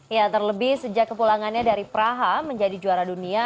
ya terlebih sejak kepulangannya dari praha menjadi juara dunia